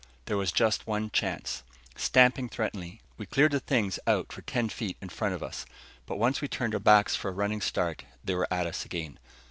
There was just one chance. Stamping threateningly, we cleared the things out for ten feet in front of us. But once we turned our backs for a running start they were at us again.